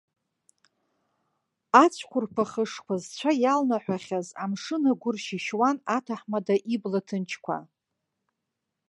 Ацәқәырԥа хышқәа зцәа иалнаҳәахьаз амшын агәы ршьышьуан аҭаҳмада ибла ҭынчқәа.